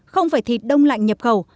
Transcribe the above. không phải thịt đông lạnh nhập khẩu